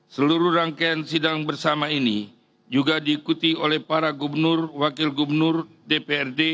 seluruh rangkaian sidang bersama ini juga diikuti oleh para gubernur wakil gubernur dprd